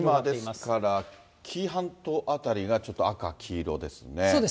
今、ですから、紀伊半島辺りがちょっと赤、そうです。